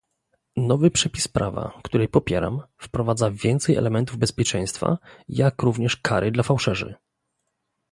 Nowy przepis prawa, który popieram, wprowadza więcej elementów bezpieczeństwa, jak również kary dla fałszerzy